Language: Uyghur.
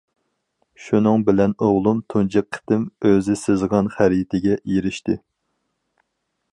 شۇنىڭ بىلەن ئوغلۇم تۇنجى قېتىم ئۆزى سىزغان خەرىتىگە ئېرىشتى.